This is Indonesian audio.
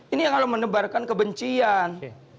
ini yang kalau menebarkan kebencian